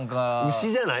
牛じゃない？